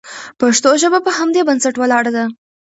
پښتو ژبه په همدې بنسټ ولاړه ده.